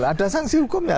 ada sanksi hukumnya